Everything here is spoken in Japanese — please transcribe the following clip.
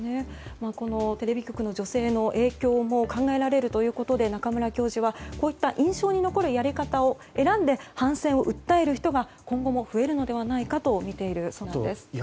このテレビ局の女性の影響も考えられるということで中村教授はこうした印象に残るやり方を選んで反戦を訴える人が今後も増えるのではとみているそうなんです。